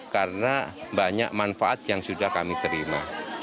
karena banyak manfaat yang sudah kami terima